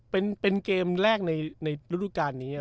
เป็นเกมแรกในรูดุกราค์นี้